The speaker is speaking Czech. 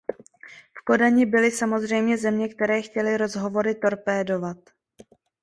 V Kodani byly samozřejmě země, které chtěly rozhovory torpédovat.